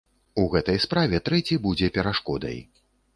У гэтай справе трэці будзе перашкодай.